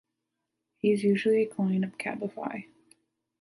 He is a usual client of Cabify.